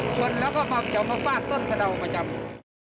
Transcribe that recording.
คนแล้วก็มาเกี่ยวกับฟาดต้นสะดาวประจำ